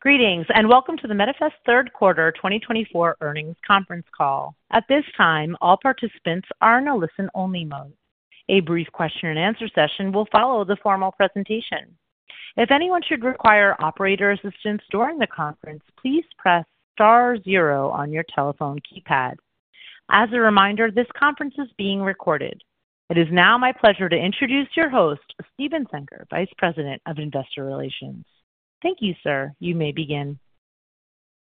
Greetings, and welcome to the Medifast third quarter 2024 earnings conference call. At this time, all participants are in a listen-only mode. A brief question-and-answer session will follow the formal presentation. If anyone should require operator assistance during the conference, please press star zero on your telephone keypad. As a reminder, this conference is being recorded. It is now my pleasure to introduce your host, Steven Zenker, Vice President of Investor Relations. Thank you, sir. You may begin.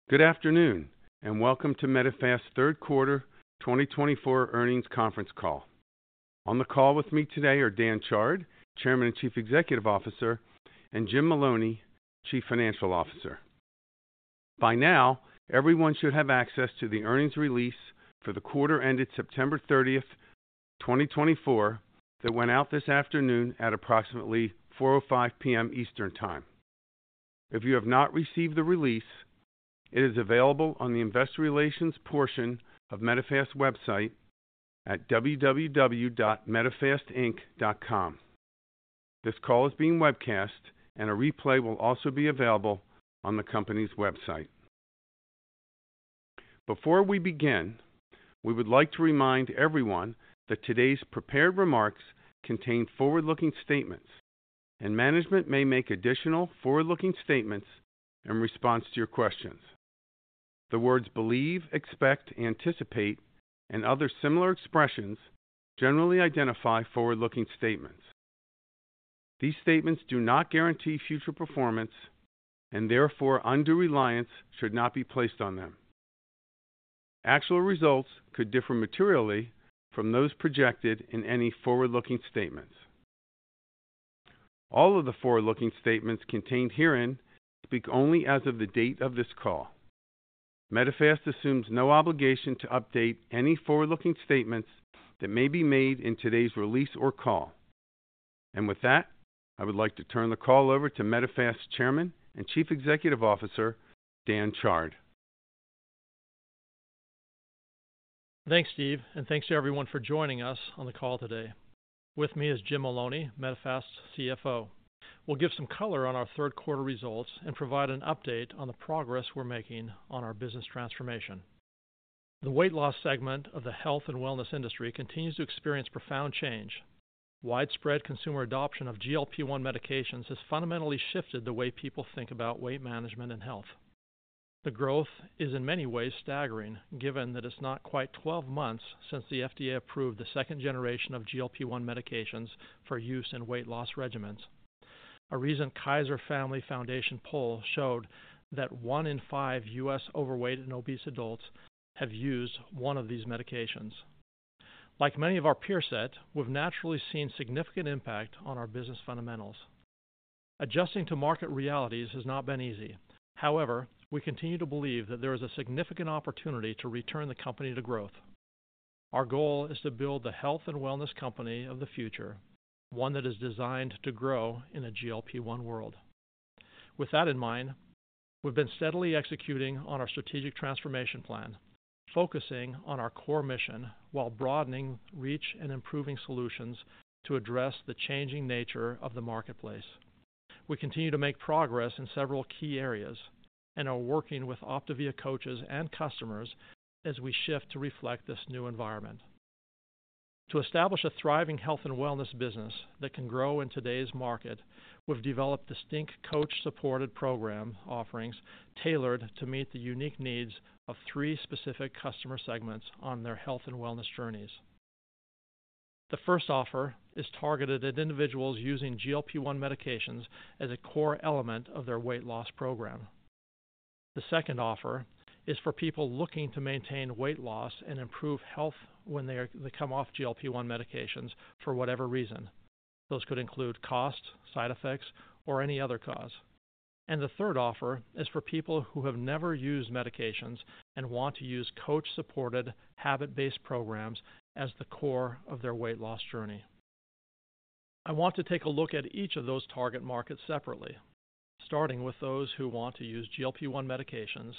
Good afternoon, and welcome to Medifast third quarter 2024 earnings conference call. On the call with me today are Dan Chard, Chairman and Chief Executive Officer, and Jim Maloney, Chief Financial Officer. By now, everyone should have access to the earnings release for the quarter ended September 30th, 2024, that went out this afternoon at approximately 4:05 P.M. Eastern Time. If you have not received the release, it is available on the Investor Relations portion of Medifast website at www.medifastinc.com. This call is being webcast, and a replay will also be available on the company's website. Before we begin, we would like to remind everyone that today's prepared remarks contain forward-looking statements, and management may make additional forward-looking statements in response to your questions. The words believe, expect, anticipate, and other similar expressions generally identify forward-looking statements. These statements do not guarantee future performance, and therefore undue reliance should not be placed on them. Actual results could differ materially from those projected in any forward-looking statements. All of the forward-looking statements contained herein speak only as of the date of this call. Medifast assumes no obligation to update any forward-looking statements that may be made in today's release or call, and with that, I would like to turn the call over to Medifast Chairman and Chief Executive Officer, Dan Chard. Thanks, Steve, and thanks to everyone for joining us on the call today. With me is Jim Maloney, Medifast CFO. We'll give some color on our third quarter results and provide an update on the progress we're making on our business transformation. The weight loss segment of the health and wellness industry continues to experience profound change. Widespread consumer adoption of GLP-1 medications has fundamentally shifted the way people think about weight management and health. The growth is, in many ways, staggering, given that it's not quite 12 months since the FDA approved the second generation of GLP-1 medications for use in weight loss regimens. A recent Kaiser Family Foundation poll showed that one in five U.S. overweight and obese adults have used one of these medications. Like many of our peer set, we've naturally seen significant impact on our business fundamentals. Adjusting to market realities has not been easy. However, we continue to believe that there is a significant opportunity to return the company to growth. Our goal is to build the health and wellness company of the future, one that is designed to grow in a GLP-1 world. With that in mind, we've been steadily executing on our strategic transformation plan, focusing on our core mission while broadening reach and improving solutions to address the changing nature of the marketplace. We continue to make progress in several key areas and are working with Optavia coaches and customers as we shift to reflect this new environment. To establish a thriving health and wellness business that can grow in today's market, we've developed distinct coach-supported program offerings tailored to meet the unique needs of three specific customer segments on their health and wellness journeys. The first offer is targeted at individuals using GLP-1 medications as a core element of their weight loss program. The second offer is for people looking to maintain weight loss and improve health when they come off GLP-1 medications for whatever reason. Those could include cost, side effects, or any other cause. And the third offer is for people who have never used medications and want to use coach-supported, habit-based programs as the core of their weight loss journey. I want to take a look at each of those target markets separately, starting with those who want to use GLP-1 medications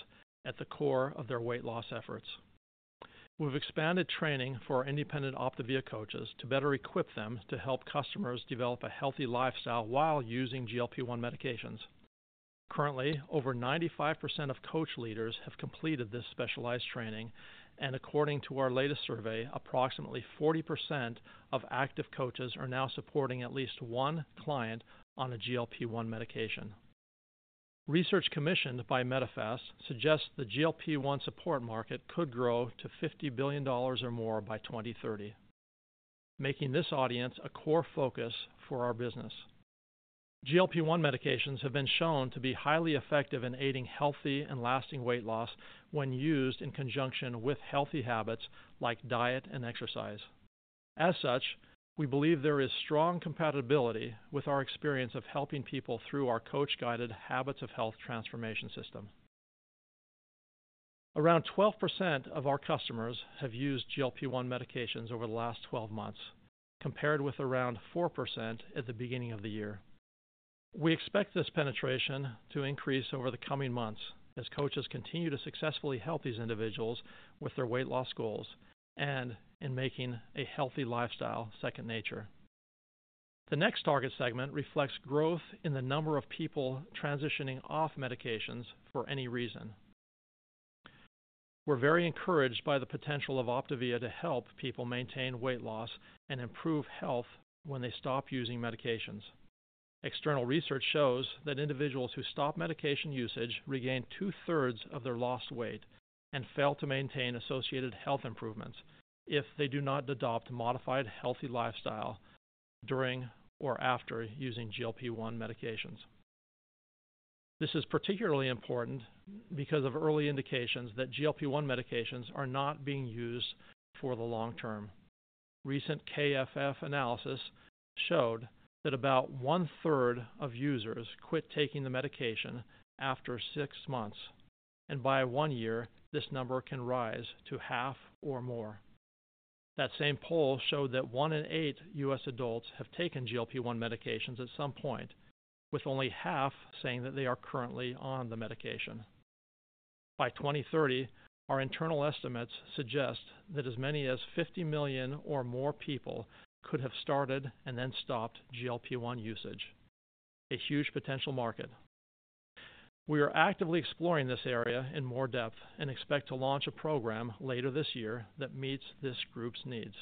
at the core of their weight loss efforts. We've expanded training for independent Optavia coaches to better equip them to help customers develop a healthy lifestyle while using GLP-1 medications. Currently, over 95% of coach leaders have completed this specialized training, and according to our latest survey, approximately 40% of active coaches are now supporting at least one client on a GLP-1 medication. Research commissioned by Medifast suggests the GLP-1 support market could grow to $50 billion or more by 2030, making this audience a core focus for our business. GLP-1 medications have been shown to be highly effective in aiding healthy and lasting weight loss when used in conjunction with healthy habits like diet and exercise. As such, we believe there is strong compatibility with our experience of helping people through our coach-guided Habits of Health transformation system. Around 12% of our customers have used GLP-1 medications over the last 12 months, compared with around 4% at the beginning of the year. We expect this penetration to increase over the coming months as coaches continue to successfully help these individuals with their weight loss goals and in making a healthy lifestyle second nature. The next target segment reflects growth in the number of people transitioning off medications for any reason. We're very encouraged by the potential of Optavia to help people maintain weight loss and improve health when they stop using medications. External research shows that individuals who stop medication usage regain 2/3 of their lost weight and fail to maintain associated health improvements if they do not adopt a modified healthy lifestyle during or after using GLP-1 medications. This is particularly important because of early indications that GLP-1 medications are not being used for the long-term. Recent KFF analysis showed that about one-third of users quit taking the medication after six months, and by one year, this number can rise to half or more. That same poll showed that one in eight U.S. adults have taken GLP-1 medications at some point, with only half saying that they are currently on the medication. By 2030, our internal estimates suggest that as many as 50 million or more people could have started and then stopped GLP-1 usage. A huge potential market. We are actively exploring this area in more depth and expect to launch a program later this year that meets this group's needs.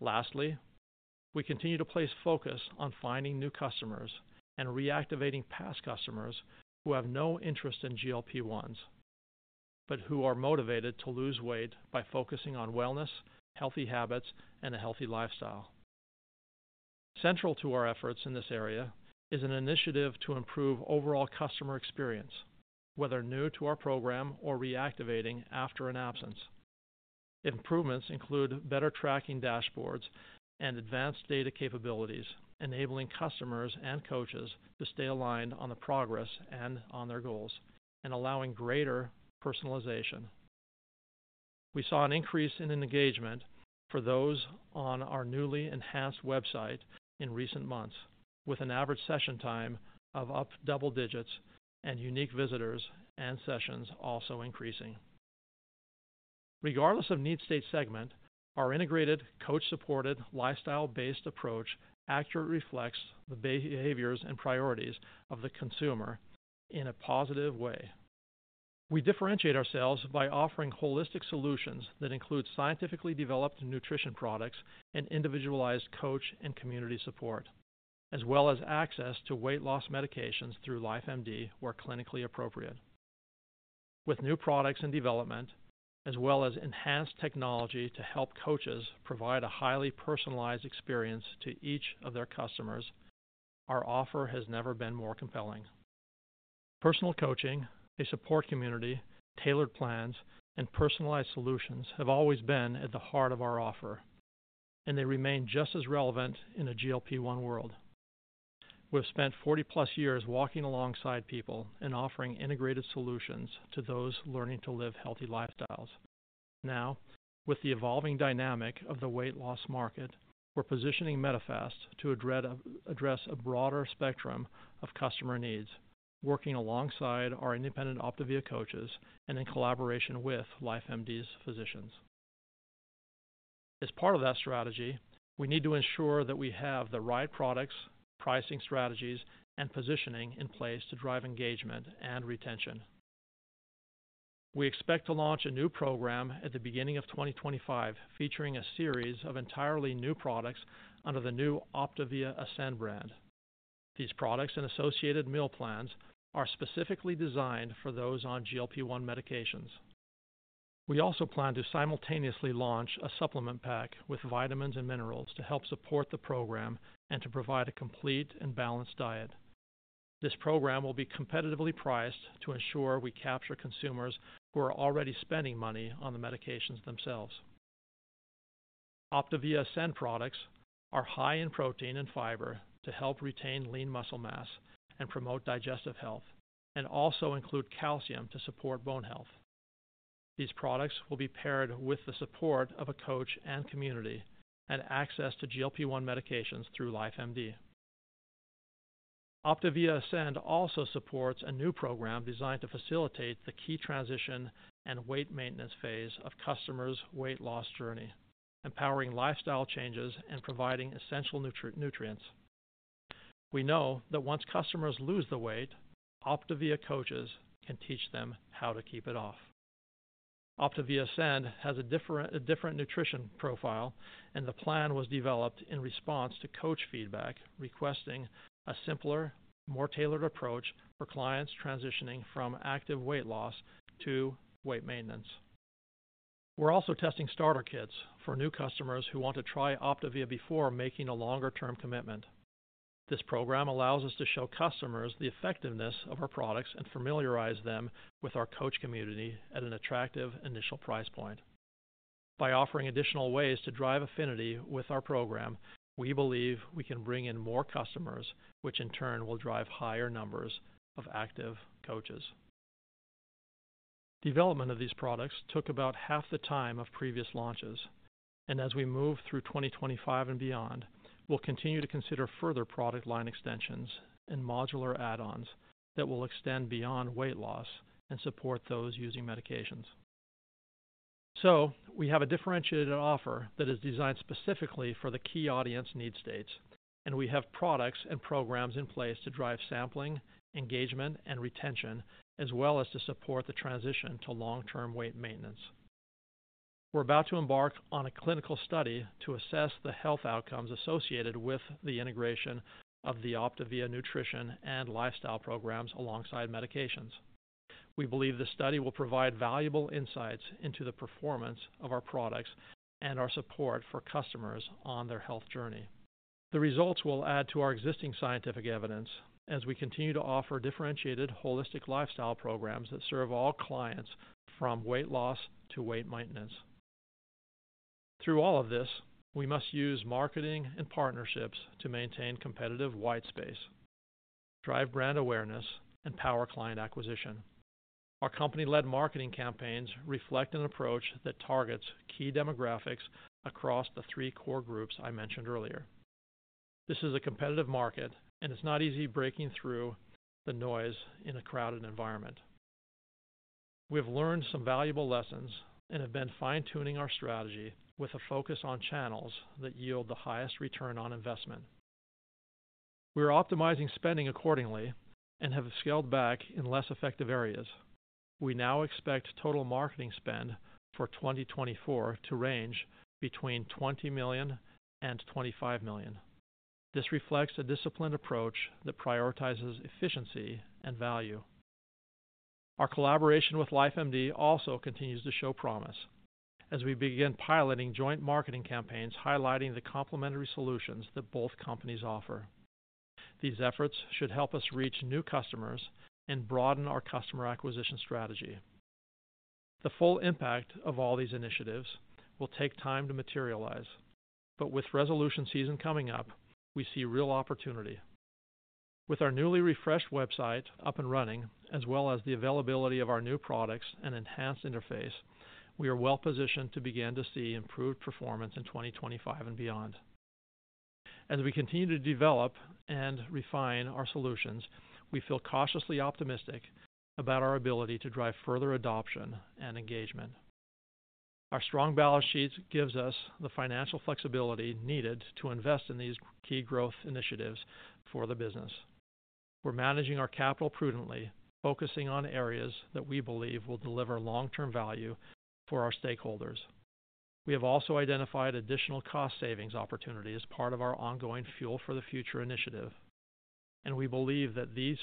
Lastly, we continue to place focus on finding new customers and reactivating past customers who have no interest in GLP-1s, but who are motivated to lose weight by focusing on wellness, healthy habits, and a healthy lifestyle. Central to our efforts in this area is an initiative to improve overall customer experience, whether new to our program or reactivating after an absence. Improvements include better tracking dashboards and advanced data capabilities, enabling customers and coaches to stay aligned on the progress and on their goals, and allowing greater personalization. We saw an increase in engagement for those on our newly enhanced website in recent months, with an average session time of up double digits and unique visitors and sessions also increasing. Regardless of need state segment, our integrated coach-supported lifestyle-based approach accurately reflects the behaviors and priorities of the consumer in a positive way. We differentiate ourselves by offering holistic solutions that include scientifically developed nutrition products and individualized coach and community support, as well as access to weight loss medications through LifeMD where clinically appropriate. With new products in development, as well as enhanced technology to help coaches provide a highly personalized experience to each of their customers, our offer has never been more compelling. Personal coaching, a support community, tailored plans, and personalized solutions have always been at the heart of our offer, and they remain just as relevant in a GLP-1 world. We've spent 40+ years walking alongside people and offering integrated solutions to those learning to live healthy lifestyles. Now, with the evolving dynamic of the weight loss market, we're positioning Medifast to address a broader spectrum of customer needs, working alongside our independent Optavia coaches and in collaboration with LifeMD's physicians. As part of that strategy, we need to ensure that we have the right products, pricing strategies, and positioning in place to drive engagement and retention. We expect to launch a new program at the beginning of 2025, featuring a series of entirely new products under the new Optavia Ascend brand. These products and associated meal plans are specifically designed for those on GLP-1 medications. We also plan to simultaneously launch a supplement pack with vitamins and minerals to help support the program and to provide a complete and balanced diet. This program will be competitively priced to ensure we capture consumers who are already spending money on the medications themselves. Optavia Ascend products are high in protein and fiber to help retain lean muscle mass and promote digestive health, and also include calcium to support bone health. These products will be paired with the support of a coach and community and access to GLP-1 medications through LifeMD. Optavia Ascend also supports a new program designed to facilitate the key transition and weight maintenance phase of customers' weight loss journey, empowering lifestyle changes and providing essential nutrients. We know that once customers lose the weight, Optavia coaches can teach them how to keep it off. Optavia Ascend has a different nutrition profile, and the plan was developed in response to coach feedback requesting a simpler, more tailored approach for clients transitioning from active weight loss to weight maintenance. We're also testing starter kits for new customers who want to try Optavia before making a longer-term commitment. This program allows us to show customers the effectiveness of our products and familiarize them with our coach community at an attractive initial price point. By offering additional ways to drive affinity with our program, we believe we can bring in more customers, which in turn will drive higher numbers of active coaches. Development of these products took about half the time of previous launches, and as we move through 2025 and beyond, we'll continue to consider further product line extensions and modular add-ons that will extend beyond weight loss and support those using medications. So we have a differentiated offer that is designed specifically for the key audience need states, and we have products and programs in place to drive sampling, engagement, and retention, as well as to support the transition to long-term weight maintenance. We're about to embark on a clinical study to assess the health outcomes associated with the integration of the Optavia nutrition and lifestyle programs alongside medications. We believe this study will provide valuable insights into the performance of our products and our support for customers on their health journey. The results will add to our existing scientific evidence as we continue to offer differentiated, holistic lifestyle programs that serve all clients from weight loss to weight maintenance. Through all of this, we must use marketing and partnerships to maintain competitive white space, drive brand awareness, and power client acquisition. Our company-led marketing campaigns reflect an approach that targets key demographics across the three core groups I mentioned earlier. This is a competitive market, and it's not easy breaking through the noise in a crowded environment. We have learned some valuable lessons and have been fine-tuning our strategy with a focus on channels that yield the highest return on investment. We are optimizing spending accordingly and have scaled back in less effective areas. We now expect total marketing spend for 2024 to range between $20 million and $25 million. This reflects a disciplined approach that prioritizes efficiency and value. Our collaboration with LifeMD also continues to show promise as we begin piloting joint marketing campaigns highlighting the complementary solutions that both companies offer. These efforts should help us reach new customers and broaden our customer acquisition strategy. The full impact of all these initiatives will take time to materialize, but with resolution season coming up, we see real opportunity. With our newly refreshed website up and running, as well as the availability of our new products and enhanced interface, we are well-positioned to begin to see improved performance in 2025 and beyond. As we continue to develop and refine our solutions, we feel cautiously optimistic about our ability to drive further adoption and engagement. Our strong balance sheet gives us the financial flexibility needed to invest in these key growth initiatives for the business. We're managing our capital prudently, focusing on areas that we believe will deliver long-term value for our stakeholders. We have also identified additional cost savings opportunities as part of our ongoing Fuel for the Future initiative, and we believe that these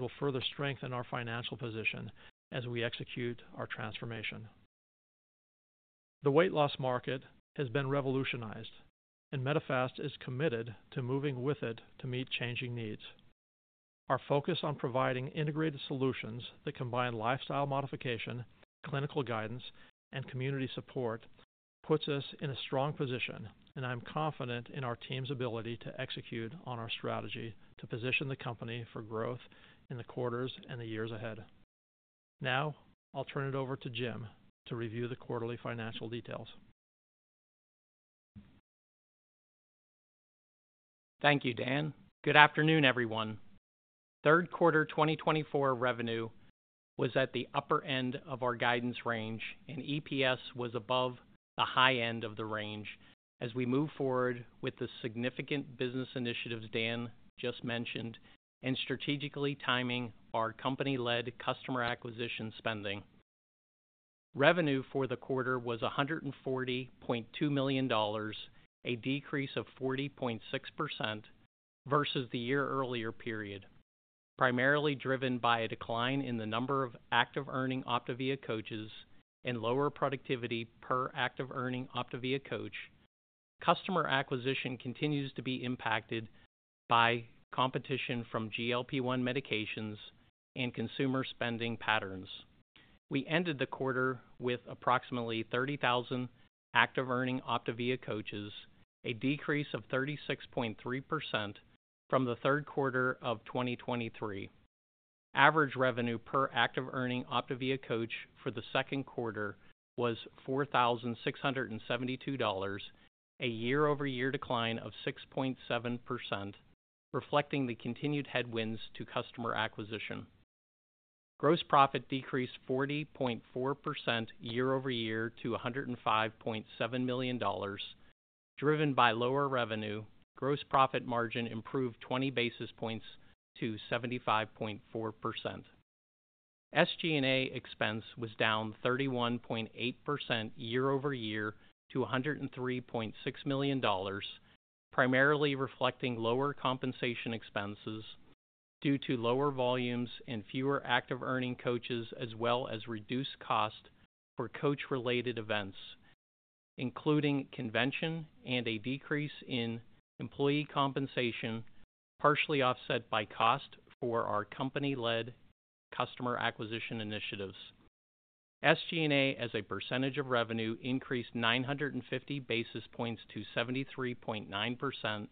will further strengthen our financial position as we execute our transformation. The weight loss market has been revolutionized, and Medifast is committed to moving with it to meet changing needs. Our focus on providing integrated solutions that combine lifestyle modification, clinical guidance, and community support puts us in a strong position, and I'm confident in our team's ability to execute on our strategy to position the company for growth in the quarters and the years ahead. Now, I'll turn it over to Jim to review the quarterly financial details. Thank you, Dan. Good afternoon, everyone. Third quarter 2024 revenue was at the upper end of our guidance range, and EPS was above the high end of the range as we move forward with the significant business initiatives Dan just mentioned and strategically timing our company-led customer acquisition spending. Revenue for the quarter was $140.2 million, a decrease of 40.6% versus the year earlier period. Primarily driven by a decline in the number of active-earning Optavia coaches and lower productivity per active-earning Optavia coach, customer acquisition continues to be impacted by competition from GLP-1 medications and consumer spending patterns. We ended the quarter with approximately 30,000 active-earning Optavia coaches, a decrease of 36.3% from the third quarter of 2023. Average revenue per active-earning Optavia coach for the second quarter was $4,672, a year-over-year decline of 6.7%, reflecting the continued headwinds to customer acquisition. Gross profit decreased 40.4% year-over-year to $105.7 million, driven by lower revenue. Gross profit margin improved 20 basis points to 75.4%. SG&A expense was down 31.8% year-over-year to $103.6 million, primarily reflecting lower compensation expenses due to lower volumes and fewer active-earning coaches, as well as reduced cost for coach-related events, including convention, and a decrease in employee compensation, partially offset by cost for our company-led customer acquisition initiatives. SG&A, as a percentage of revenue, increased 950 basis points to 73.9%,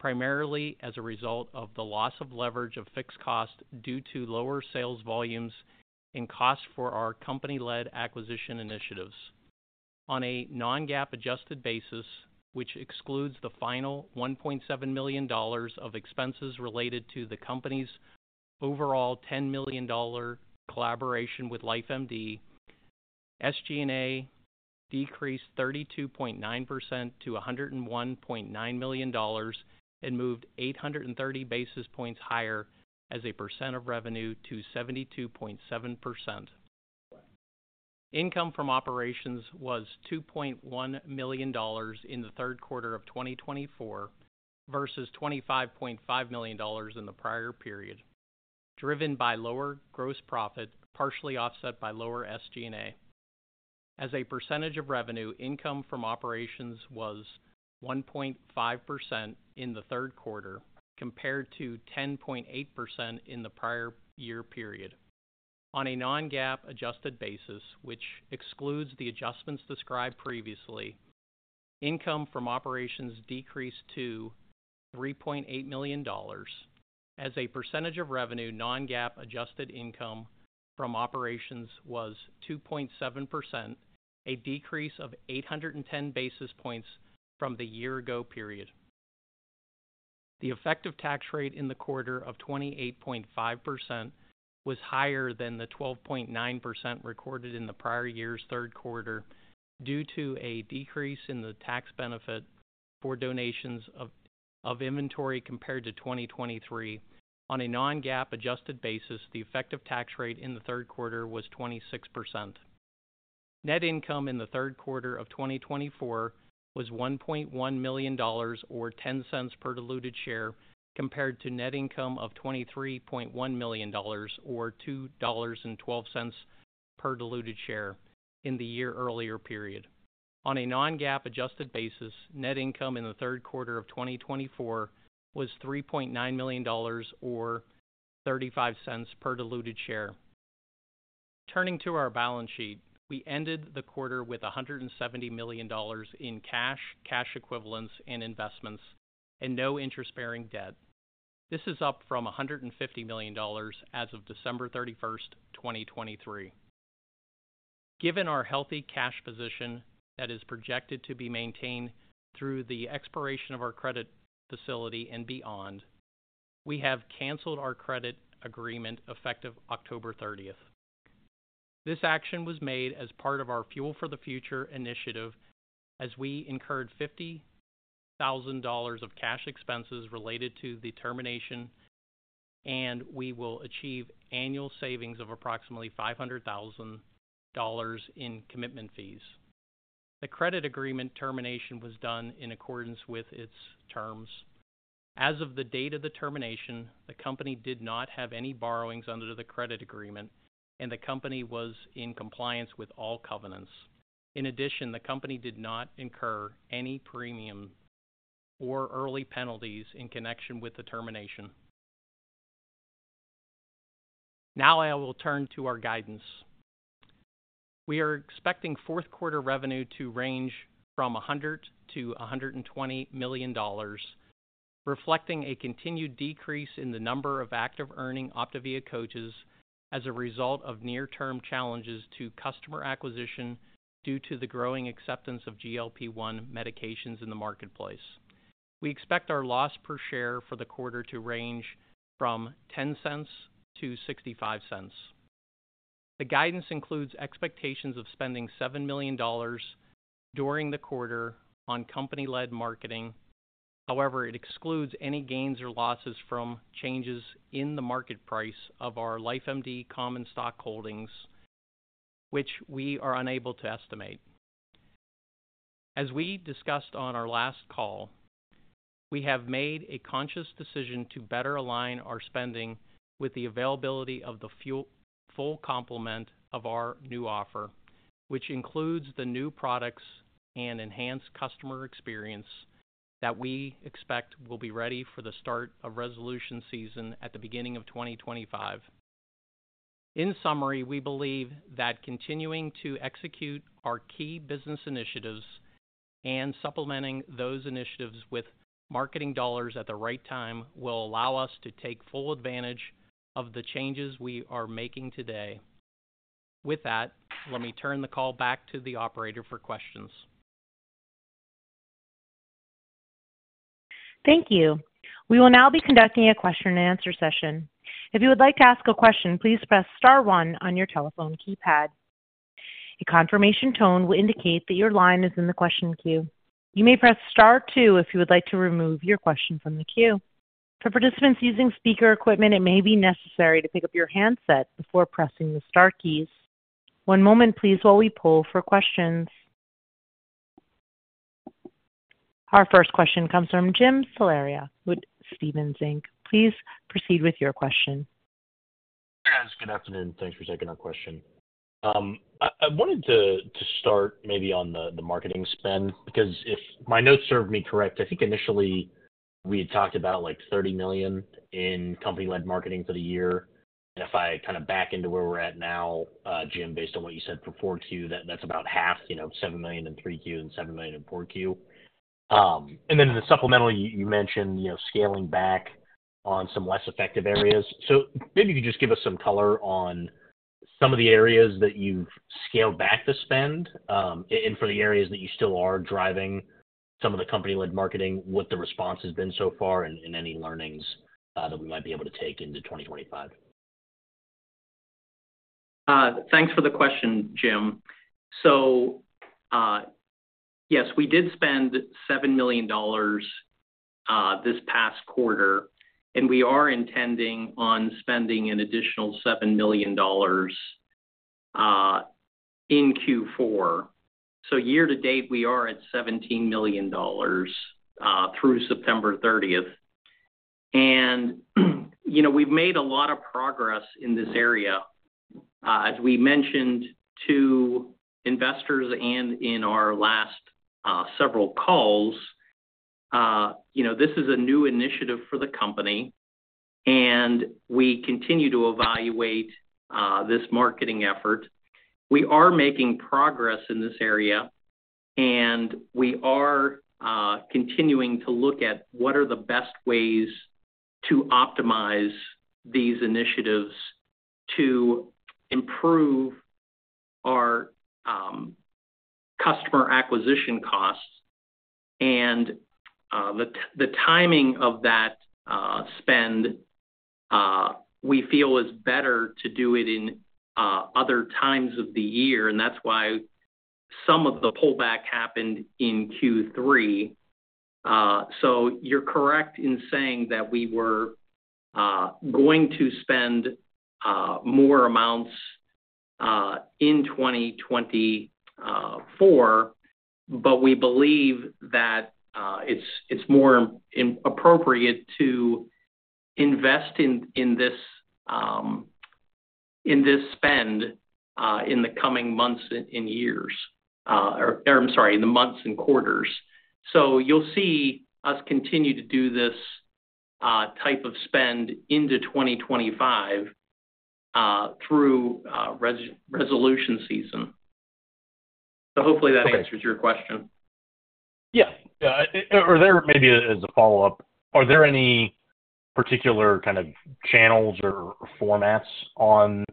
primarily as a result of the loss of leverage of fixed cost due to lower sales volumes and cost for our company-led acquisition initiatives. On a non-GAAP adjusted basis, which excludes the final $1.7 million of expenses related to the company's overall $10 million collaboration with LifeMD, SG&A decreased 32.9% to $101.9 million and moved 830 basis points higher as a percent of revenue to 72.7%. Income from operations was $2.1 million in the third quarter of 2024 versus $25.5 million in the prior period, driven by lower gross profit, partially offset by lower SG&A. As a percentage of revenue, income from operations was 1.5% in the third quarter compared to 10.8% in the prior year period. On a non-GAAP adjusted basis, which excludes the adjustments described previously, income from operations decreased to $3.8 million. As a percentage of revenue, non-GAAP adjusted income from operations was 2.7%, a decrease of 810 basis points from the year-ago period. The effective tax rate in the quarter of 28.5% was higher than the 12.9% recorded in the prior year's third quarter due to a decrease in the tax benefit for donations of inventory compared to 2023. On a non-GAAP adjusted basis, the effective tax rate in the third quarter was 26%. Net income in the third quarter of 2024 was $1.1 million or $0.10 per diluted share compared to net income of $23.1 million or $2.12 per diluted share in the year-earlier period. On a non-GAAP adjusted basis, net income in the third quarter of 2024 was $3.9 million or $0.35 per diluted share. Turning to our balance sheet, we ended the quarter with $170 million in cash, cash equivalents, and investments, and no interest-bearing debt. This is up from $150 million as of December 31st, 2023. Given our healthy cash position that is projected to be maintained through the expiration of our credit facility and beyond, we have canceled our credit agreement effective October 30th. This action was made as part of our Fuel for the Future initiative as we incurred $50,000 of cash expenses related to the termination, and we will achieve annual savings of approximately $500,000 in commitment fees. The credit agreement termination was done in accordance with its terms. As of the date of the termination, the company did not have any borrowings under the credit agreement, and the company was in compliance with all covenants. In addition, the company did not incur any premium or early penalties in connection with the termination. Now I will turn to our guidance. We are expecting fourth quarter revenue to range from $100 million-$120 million, reflecting a continued decrease in the number of active-earning Optavia coaches as a result of near-term challenges to customer acquisition due to the growing acceptance of GLP-1 medications in the marketplace. We expect our loss per share for the quarter to range from $0.10-$0.65. The guidance includes expectations of spending $7 million during the quarter on company-led marketing. However, it excludes any gains or losses from changes in the market price of our LifeMD common stock holdings, which we are unable to estimate. As we discussed on our last call, we have made a conscious decision to better align our spending with the availability of the full complement of our new offer, which includes the new products and enhanced customer experience that we expect will be ready for the start of resolution season at the beginning of 2025. In summary, we believe that continuing to execute our key business initiatives and supplementing those initiatives with marketing dollars at the right time will allow us to take full advantage of the changes we are making today. With that, let me turn the call back to the operator for questions. Thank you. We will now be conducting a question-and-answer session. If you would like to ask a question, please press star one on your telephone keypad. A confirmation tone will indicate that your line is in the question queue. You may press star two if you would like to remove your question from the queue. For participants using speaker equipment, it may be necessary to pick up your handset before pressing the star keys. One moment, please, while we pull for questions. Our first question comes from Jim Salera with Stephens Inc. Please proceed with your question. Hi, guys. Good afternoon. Thanks for taking our question. I wanted to start maybe on the marketing spend because if my notes serve me correct, I think initially we had talked about like $30 million in company-led marketing for the year. And if I kind of back into where we're at now, Jim, based on what you said before too, that's about half, $7 million in 3Q and $7 million in 4Q. And then the supplemental, you mentioned scaling back on some less effective areas. So maybe you could just give us some color on some of the areas that you've scaled back the spend and for the areas that you still are driving some of the company-led marketing, what the response has been so far, and any learnings that we might be able to take into 2025. Thanks for the question, Jim. So yes, we did spend $7 million this past quarter, and we are intending on spending an additional $7 million in Q4. So year-to-date, we are at $17 million through September 30th. And we've made a lot of progress in this area. As we mentioned to investors and in our last several calls, this is a new initiative for the company, and we continue to evaluate this marketing effort. We are making progress in this area, and we are continuing to look at what are the best ways to optimize these initiatives to improve our customer acquisition costs. And the timing of that spend, we feel, is better to do it in other times of the year, and that's why some of the pullback happened in Q3. So you're correct in saying that we were going to spend more amounts in 2024, but we believe that it's more appropriate to invest in this spend in the coming in the months and quarters. So you'll see us continue to do this type of spend into 2025 through resolution season. So hopefully that answers your question. Yeah, or maybe as a follow-up, are there any particular kind of channels or formats on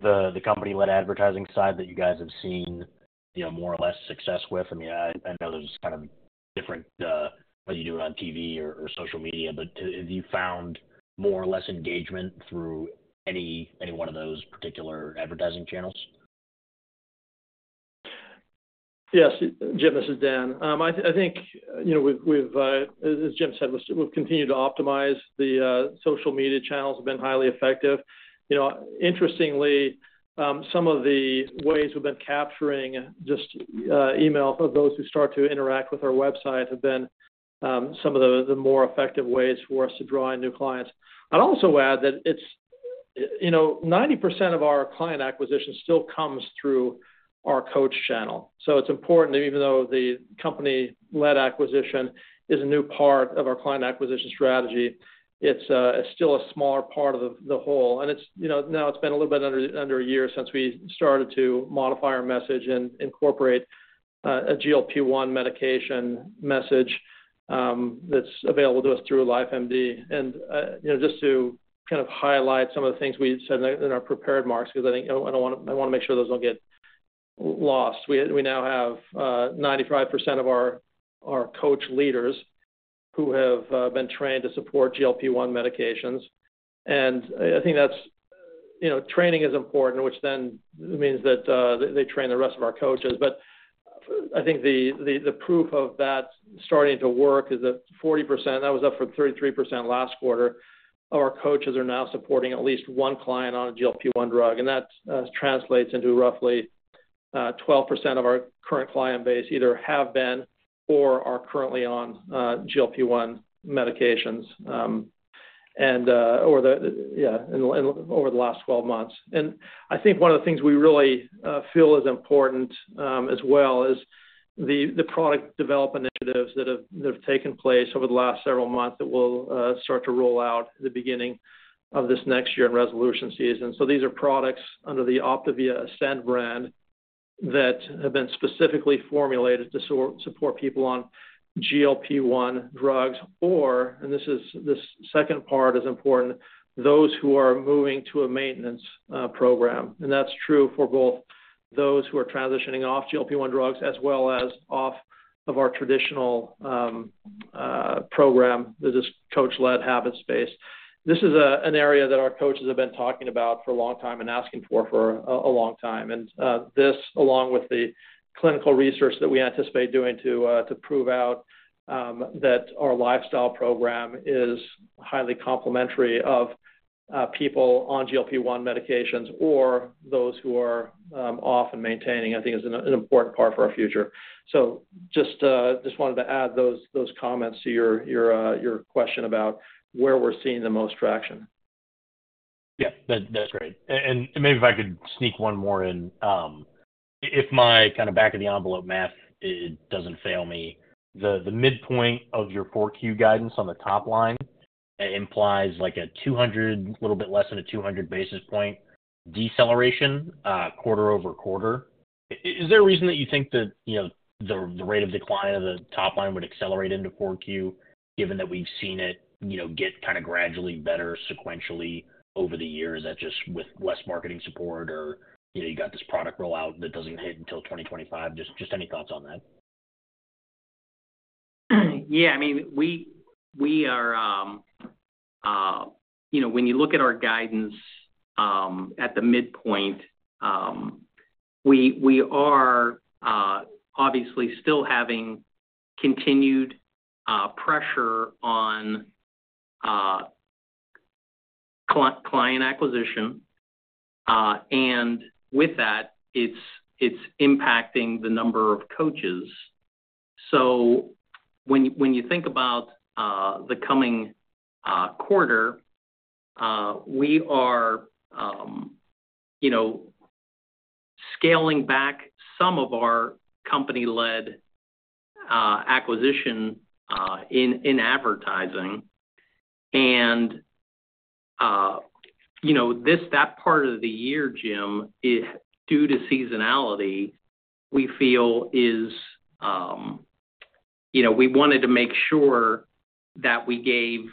the company-led advertising side that you guys have seen more or less success with? I mean, I know there's kind of different ways you do it on TV or social media, but have you found more or less engagement through any one of those particular advertising channels? Yes. Jim, this is Dan. I think, as Jim said, we've continued to optimize. The social media channels have been highly effective. Interestingly, some of the ways we've been capturing just email for those who start to interact with our website have been some of the more effective ways for us to draw in new clients. I'd also add that 90% of our client acquisition still comes through our coach channel. So it's important that even though the company-led acquisition is a new part of our client acquisition strategy, it's still a smaller part of the whole. And now it's been a little bit under a year since we started to modify our message and incorporate a GLP-1 medication message that's available to us through LifeMD. Just to kind of highlight some of the things we said in our prepared remarks, because I do want to make sure those don't get lost, we now have 95% of our coach leaders who have been trained to support GLP-1 medications. I think training is important, which then means that they train the rest of our coaches. I think the proof of that starting to work is that 40%, that was up from 33% last quarter, our coaches are now supporting at least one client on a GLP-1 drug. That translates into roughly 12% of our current client base either have been or are currently on GLP-1 medications over the last 12 months. I think one of the things we really feel is important as well is the product development initiatives that have taken place over the last several months that we'll start to roll out at the beginning of this next year in resolution season. These are products under the Optavia, Ascend brand that have been specifically formulated to support people on GLP-1 drugs or, and this second part is important, those who are moving to a maintenance program. That's true for both those who are transitioning off GLP-1 drugs as well as off of our traditional program, the coach-led habit space. This is an area that our coaches have been talking about for a long time and asking for a long time. This, along with the clinical research that we anticipate doing to prove out that our lifestyle program is highly complementary of people on GLP-1 medications or those who are off and maintaining, I think is an important part for our future. Just wanted to add those comments to your question about where we're seeing the most traction. Yeah. That's great. And maybe if I could sneak one more in, if my kind of back-of-the-envelope math doesn't fail me, the midpoint of your 4Q guidance on the top line implies a little bit less than a 200 basis points deceleration quarter-over-quarter. Is there a reason that you think that the rate of decline of the top line would accelerate into 4Q given that we've seen it get kind of gradually better sequentially over the years? Is that just with less marketing support or you got this product rollout that doesn't hit until 2025? Just any thoughts on that? Yeah. I mean, we are, when you look at our guidance at the midpoint, we are obviously still having continued pressure on client acquisition. And with that, it's impacting the number of coaches. So when you think about the coming quarter, we are scaling back some of our company-led acquisition in advertising. And that part of the year, Jim, due to seasonality, we feel is we wanted to make sure that we gave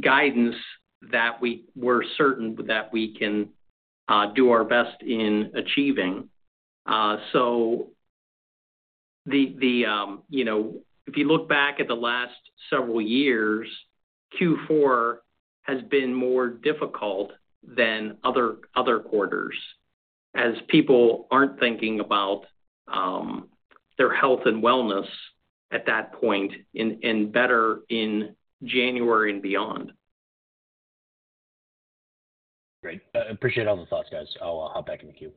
guidance that we were certain that we can do our best in achieving. So if you look back at the last several years, Q4 has been more difficult than other quarters as people aren't thinking about their health and wellness at that point and better in January and beyond. Great. Appreciate all the thoughts, guys. I'll hop back in the queue.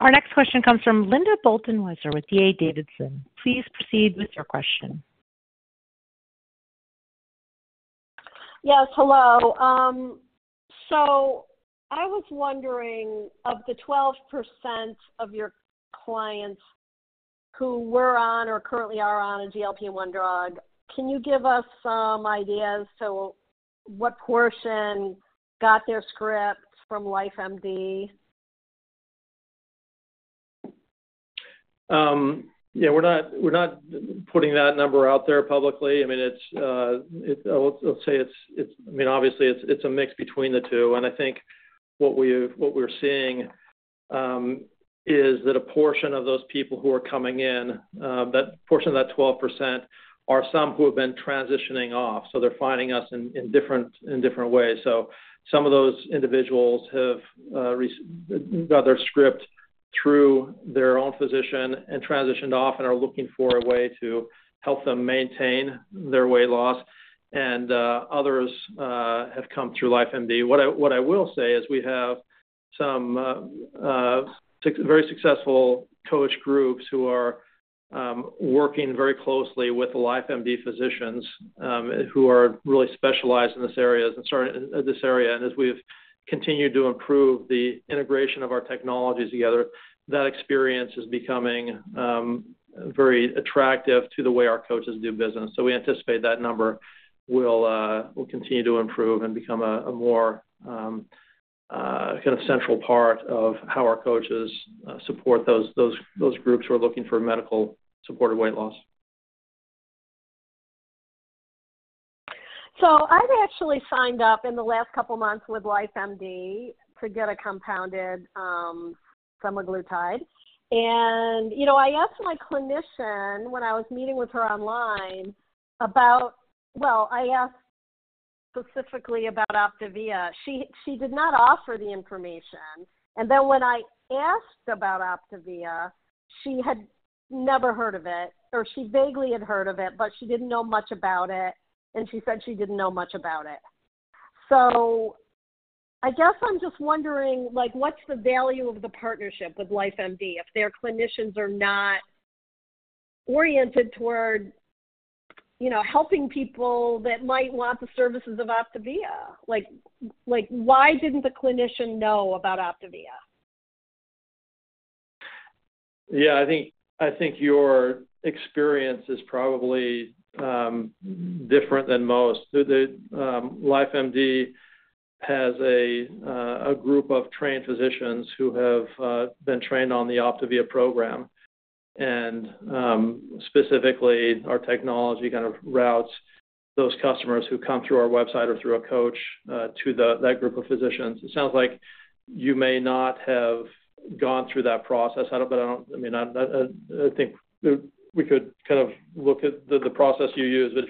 Our next question comes from Linda Bolton Weiser with D.A. Davidson. Please proceed with your question. Yes. Hello. So I was wondering, of the 12% of your clients who were on or currently are on a GLP-1 drug, can you give us some ideas to what portion got their script from LifeMD? Yeah. We're not putting that number out there publicly. I mean, I'll say, I mean, obviously, it's a mix between the two. And I think what we're seeing is that a portion of those people who are coming in, that portion of that 12%, are some who have been transitioning off. So they're finding us in different ways. So some of those individuals have got their script through their own physician and transitioned off and are looking for a way to help them maintain their weight loss. And others have come through LifeMD. What I will say is we have some very successful coach groups who are working very closely with LifeMD physicians who are really specialized in this area and started in this area. And as we've continued to improve the integration of our technologies together, that experience is becoming very attractive to the way our coaches do business. We anticipate that number will continue to improve and become a more kind of central part of how our coaches support those groups who are looking for medical-supported weight loss. So I've actually signed up in the last couple of months with LifeMD to get a compounded semaglutide. And I asked my clinician when I was meeting with her online about, well, I asked specifically about Optavia. She did not offer the information. And then when I asked about Optavia, she had never heard of it, or she vaguely had heard of it, but she didn't know much about it. And she said she didn't know much about it. So I guess I'm just wondering, what's the value of the partnership with LifeMD if their clinicians are not oriented toward helping people that might want the services of Optavia? Why didn't the clinician know about Optavia? Yeah. I think your experience is probably different than most. LifeMD has a group of trained physicians who have been trained on the Optavia program. And specifically, our technology kind of routes those customers who come through our website or through a coach to that group of physicians. It sounds like you may not have gone through that process. I mean, I think we could kind of look at the process you use. But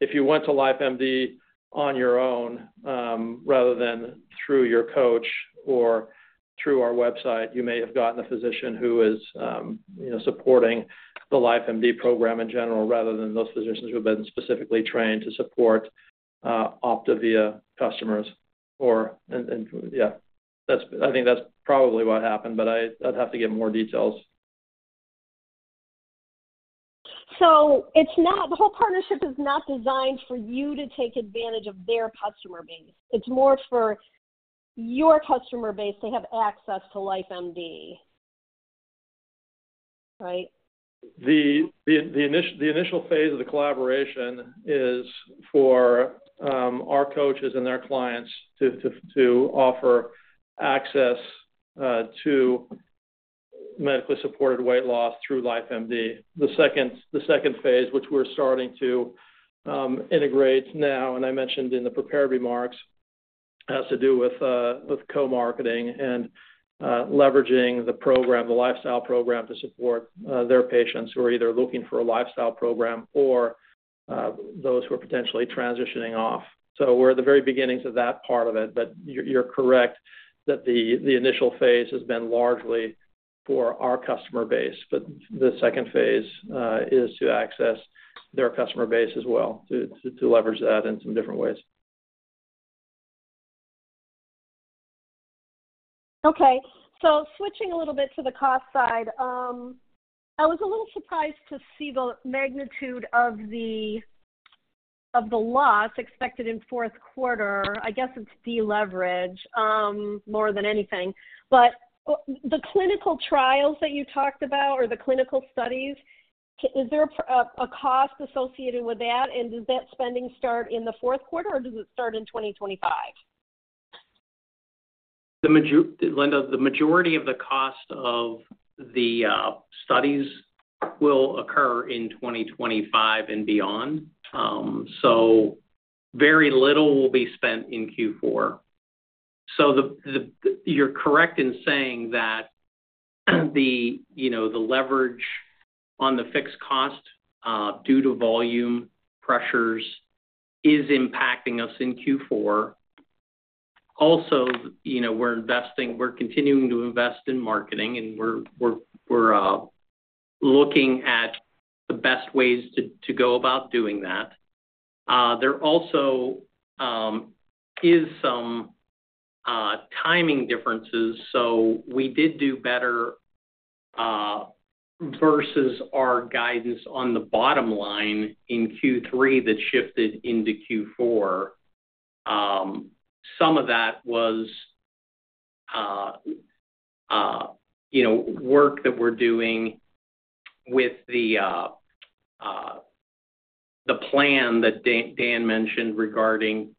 if you went to LifeMD on your own rather than through your coach or through our website, you may have gotten a physician who is supporting the LifeMD program in general rather than those physicians who have been specifically trained to support Optavia customers. And yeah, I think that's probably what happened, but I'd have to get more details. So the whole partnership is not designed for you to take advantage of their customer base. It's more for your customer base to have access to LifeMD, right? The initial phase of the collaboration is for our coaches and their clients to offer access to medically supported weight loss through LifeMD. The second phase, which we're starting to integrate now, and I mentioned in the prepared remarks, has to do with co-marketing and leveraging the program, the lifestyle program to support their patients who are either looking for a lifestyle program or those who are potentially transitioning off. So we're at the very beginnings of that part of it. But you're correct that the initial phase has been largely for our customer base. But the second phase is to access their customer base as well to leverage that in some different ways. Okay. So switching a little bit to the cost side, I was a little surprised to see the magnitude of the loss expected in fourth quarter. I guess it's deleverage more than anything. But the clinical trials that you talked about or the clinical studies, is there a cost associated with that? And does that spending start in the fourth quarter, or does it start in 2025? Linda, the majority of the cost of the studies will occur in 2025 and beyond. So very little will be spent in Q4. So you're correct in saying that the leverage on the fixed cost due to volume pressures is impacting us in Q4. Also, we're continuing to invest in marketing, and we're looking at the best ways to go about doing that. There also is some timing differences. So we did do better versus our guidance on the bottom line in Q3 that shifted into Q4. Some of that was work that we're doing with the plan that Dan mentioned regarding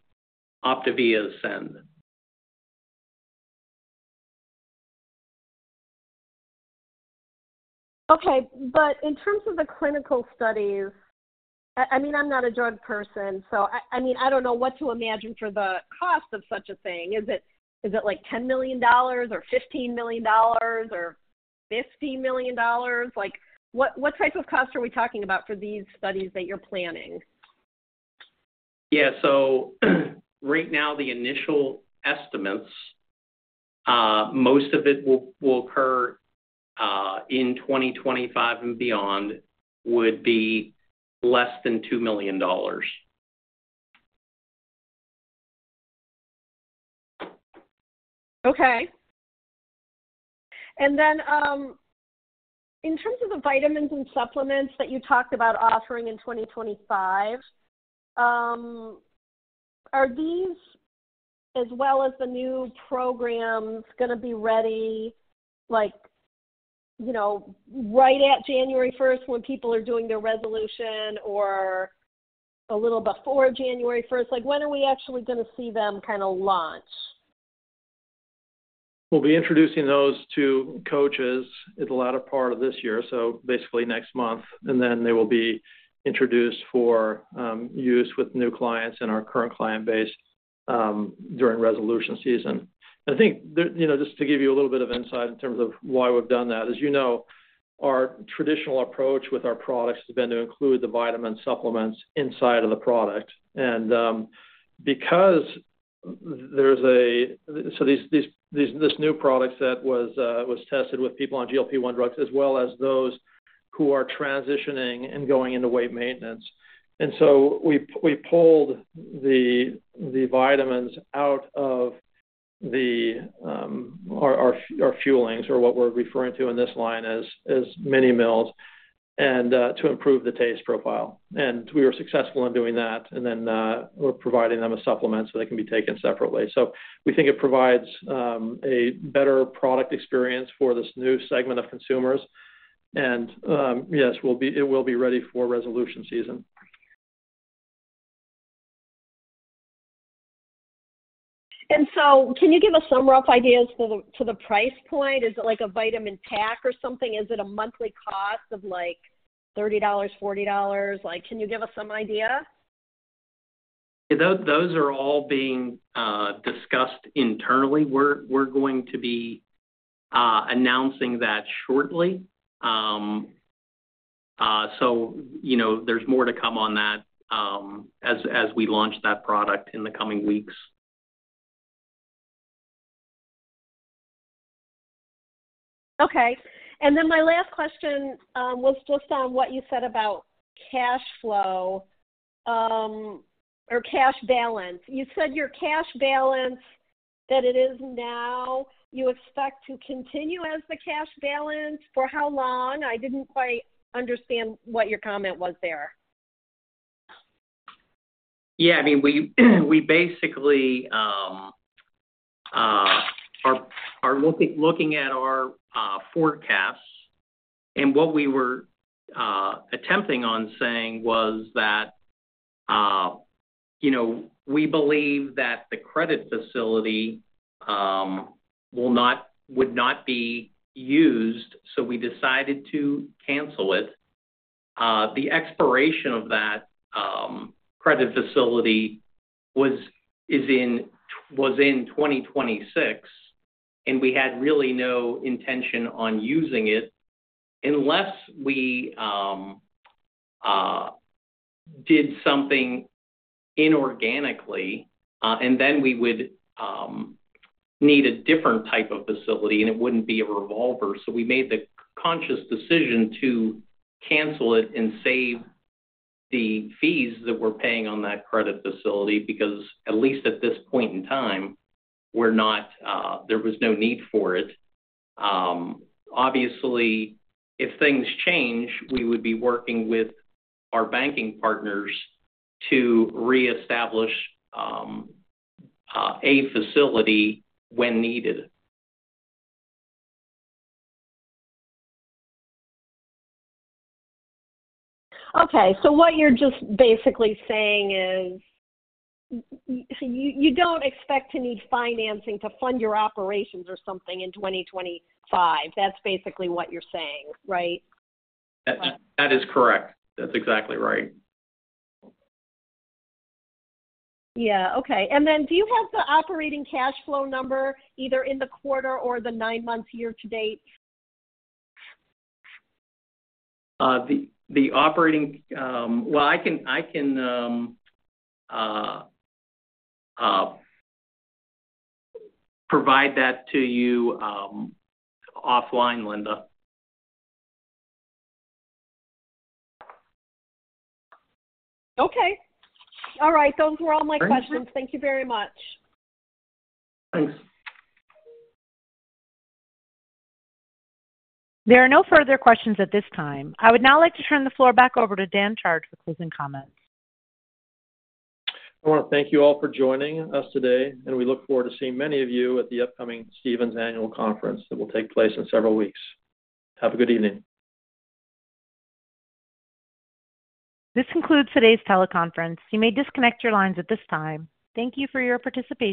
Optavia Ascend. Okay. But in terms of the clinical studies, I mean, I'm not a drug person. So I mean, I don't know what to imagine for the cost of such a thing. Is it like $10 million or $15 million or $50 million? What type of cost are we talking about for these studies that you're planning? Yeah, so right now, the initial estimates, most of it will occur in 2025 and beyond, would be less than $2 million. Okay. And then in terms of the vitamins and supplements that you talked about offering in 2025, are these, as well as the new programs, going to be ready right at January 1st when people are doing their resolution or a little before January 1st? When are we actually going to see them kind of launch? We'll be introducing those to coaches at the latter part of this year, so basically next month. And then they will be introduced for use with new clients and our current client base during resolution season. And I think just to give you a little bit of insight in terms of why we've done that, as you know, our traditional approach with our products has been to include the vitamin supplements inside of the product. And because there's this new product that was tested with people on GLP-1 drugs as well as those who are transitioning and going into weight maintenance. And so we pulled the vitamins out of our Fuelings, or what we're referring to in this line as mini meals, to improve the taste profile. And we were successful in doing that. And then we're providing them a supplement so they can be taken separately. So we think it provides a better product experience for this new segment of consumers. And yes, it will be ready for resolution season. And so can you give us some rough ideas for the price point? Is it like a vitamin pack or something? Is it a monthly cost of like $30, $40? Can you give us some idea? Yeah. Those are all being discussed internally. We're going to be announcing that shortly. So there's more to come on that as we launch that product in the coming weeks. Okay. And then my last question was just on what you said about cash flow or cash balance. You said your cash balance that it is now, you expect to continue as the cash balance for how long? I didn't quite understand what your comment was there. Yeah. I mean, we basically are looking at our forecasts and what we were attempting to say was that we believe that the credit facility would not be used, so we decided to cancel it. The expiration of that credit facility was in 2026, and we had really no intention of using it unless we did something inorganically, and then we would need a different type of facility, and it wouldn't be a revolver, so we made the conscious decision to cancel it and save the fees that we're paying on that credit facility because, at least at this point in time, there was no need for it. Obviously, if things change, we would be working with our banking partners to reestablish a facility when needed. Okay. So what you're just basically saying is you don't expect to need financing to fund your operations or something in 2025. That's basically what you're saying, right? That is correct. That's exactly right. Yeah. Okay. And then do you have the operating cash flow number either in the quarter or the nine-month year-to-date? Well, I can provide that to you offline, Linda. Okay. All right. Those were all my questions. Thank you very much. Thanks. There are no further questions at this time. I would now like to turn the floor back over to Dan Chard for closing comments. I want to thank you all for joining us today and we look forward to seeing many of you at the upcoming Stephens Annual Conference that will take place in several weeks. Have a good evening. This concludes today's teleconference. You may disconnect your lines at this time. Thank you for your participation.